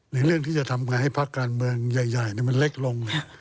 เรื่องที่จะทำไงให้พักการเมืองใหญ่มันเล็กลง